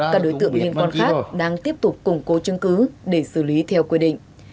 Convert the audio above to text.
các đối tượng liên quan khác đang tiếp tục củng cố chứng cứ để xử lý theo quy định